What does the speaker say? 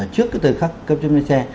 trước cái thời khắc cấp chế phép nền xe